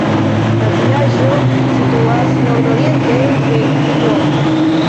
La vilaĝo situas nordoriente de Dijon.